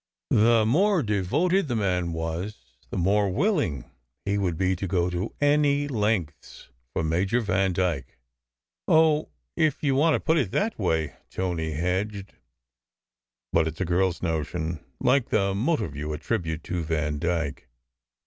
The more devoted the man was, the more willing he would be to go to any lengths for Major Vandyke." "Oh, if you want to put it that way," Tony hedged. "But it s a girl s notion, like the motive you attribute to Vandyke."